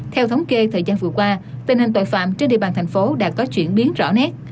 theo thống kê thời gian vừa qua tình hình tội phạm trên địa bàn thành phố đã có chuyển biến rõ nét